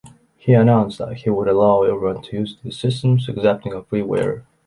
He announced that he would allow everyone to use these systems, excepting on freeware.